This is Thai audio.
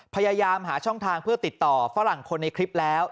พยายามหาช่องทางเพื่อติดต่อฝรั่งคนในคลิปแล้ว